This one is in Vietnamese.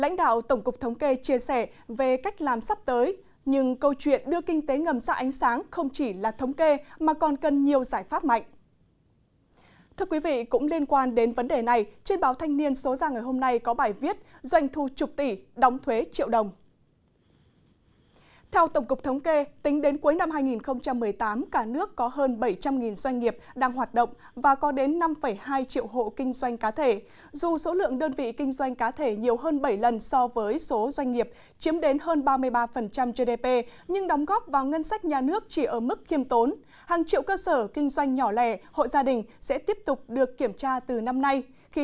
hàng triệu cơ sở kinh doanh nhỏ lẻ hộ gia đình sẽ tiếp tục được kiểm tra từ năm nay khi tổng cục thống kê thực hiện thống kê khu vực kinh tế chưa được quan sát